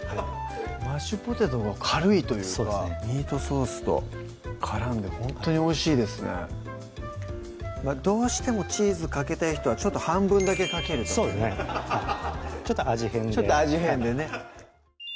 マッシュポテトが軽いというかミートソースと絡んでほんとにおいしいですねどうしてもチーズかけたい人は半分だけかけるとかねちょっと味変でちょっと味変でね